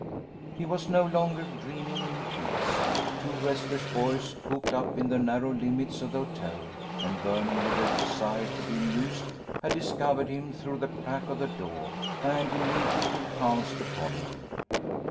He was no longer dreaming in peace. Two restless boys cooped up in the narrow limits of the hotel, and burning with a desire to be amused, had discovered him through the crack of the door, and immediately pounced upon him.